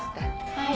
はい。